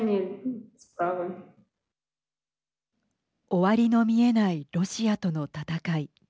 終わりの見えないロシアとの戦い。